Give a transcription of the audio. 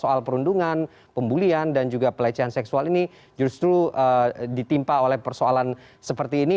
soal perundungan pembulian dan juga pelecehan seksual ini justru ditimpa oleh persoalan seperti ini